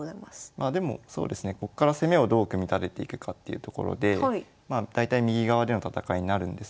まあでもこっから攻めをどう組み立てていくかっていうところで大体右側での戦いになるんですけど。